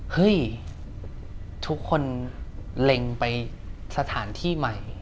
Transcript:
เฮ้ยทุกคนเล็งไปสถานที่ใหม่